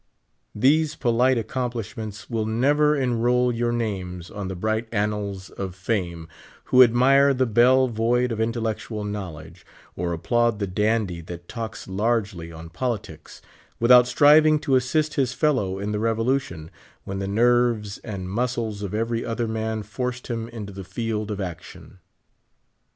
These polite accomplishments will never enroll your names on the bright annals of fame who admire the belle void of intellectual knowledge, or a[)plaud the dandy that talks largely on politics, without striving to assist his fellow in the revolution, when the nerves and muscles of ever3^ other man forced him into the field of action.